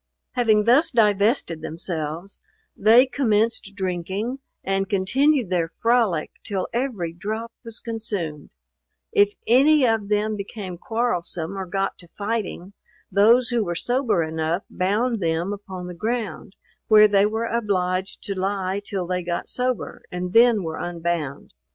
Having thus divested themselves, they commenced drinking, and continued their frolic till every drop was consumed, If any of them became quarrelsome, or got to fighting, those who were sober enough bound them upon the ground, where they were obliged to lie till they got sober, and then were unbound.